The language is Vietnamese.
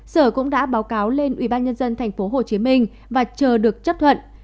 sở cũng đã báo cáo lên ubnd tp hcm và chờ được chấp thuận